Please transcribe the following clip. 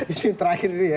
itu yang terakhir ini ya